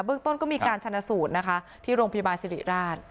เรื่องต้นก็มีการชนะสูตรนะคะที่โรงพยาบาลสิริราช